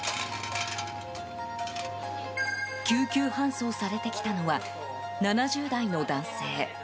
救急搬送されてきたのは７０代の男性。